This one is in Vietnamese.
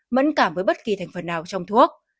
mẫn cảm với bất kỳ thành phần nào trong thuốc